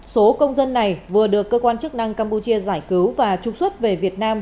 số công dân này vừa được cơ quan chức năng campuchia giải cứu và trục xuất về việt nam